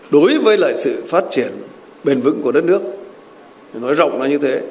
đối với lại sự phát triển bền vững của đất nước nói rộng là như thế